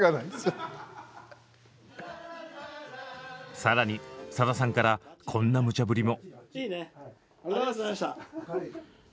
更にさださんからこんなむちゃぶりも。